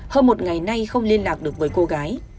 hơn một ngày nay không liên lạc được với cô gái